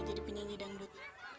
jadi penyanyi dangdut